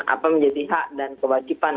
apa menjadi hak dan kewajiban